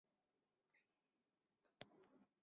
达恰是指具有俄罗斯建筑特色的乡间小屋。